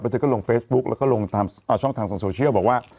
เธอก็ลงเฟซบุ๊กแล้วก็ลงตามช่องทางส่งโซเชียลบอกว่า